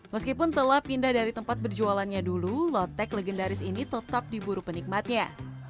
meskipun telah pindah dari tempat berjualannya dulu lotek legendaris ini tetap diburu penikmatnya